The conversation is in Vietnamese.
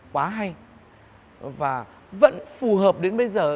quá hay và vẫn phù hợp đến bây giờ